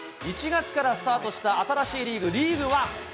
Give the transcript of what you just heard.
１月からスタートした新しいリーグ、リーグワン。